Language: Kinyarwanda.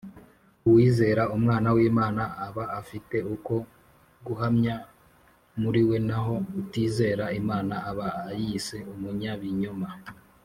Uwizera Umwana w'Imana aba afite uko guhamya muri we: naho utizera Imana aba ayise umunyabinyoma